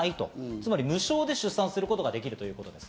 つまり無償で出産することができるんです。